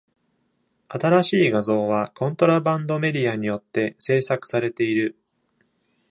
新しい画像はコントラバンド・メディアによって制作されている。